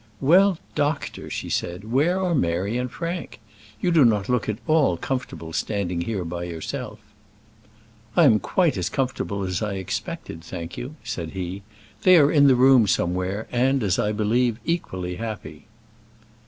"Well, doctor," she said, "where are Mary and Frank? You do not look at all comfortable, standing here by yourself." "I am quite as comfortable as I expected, thank you," said he. "They are in the room somewhere, and, as I believe, equally happy."